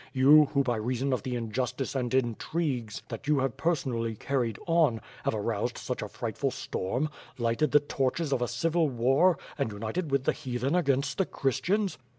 You, who by reason of the injustice and intrigues that you have personally carried on, have aroused such a frightful storm; lighted the torches of a civil war and united with the Heathen against the Christians?